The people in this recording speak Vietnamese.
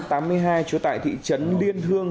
trốn tại thị trấn liên hương